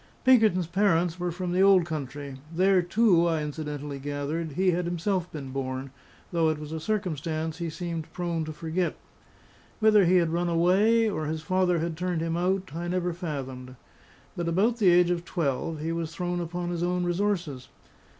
Pinkerton's parents were from the old country; there too, I incidentally gathered, he had himself been born, though it was a circumstance he seemed prone to forget. Whether he had run away, or his father had turned him out, I never fathomed; but about the age of twelve, he was thrown upon his own resources.